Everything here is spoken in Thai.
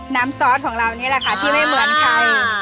ซอสของเรานี่แหละค่ะที่ไม่เหมือนใคร